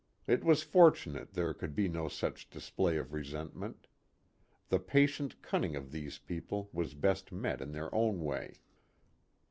It was fortunate there could be no such display of resentment. The patient cunning of these people was best met in their own way.